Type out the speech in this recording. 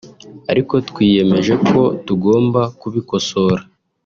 ariko twiyemeje ko tugomba kubikosora